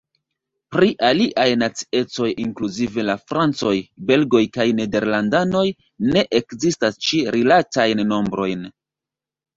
Pri aliaj naciecoj inkluzive la francoj, belgoj kaj nederlandanoj ne ekzistas ĉi-rilatajn nombrojn.